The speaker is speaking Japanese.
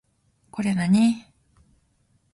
これ何